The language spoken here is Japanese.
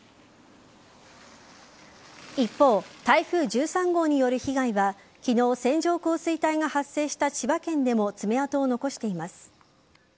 一方、台風１３号による被害は昨日、線状降水帯が発生した千葉県でも爪痕を残しています。